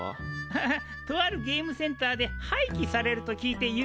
ハハッとあるゲームセンターではいきされると聞いてゆずり受けた。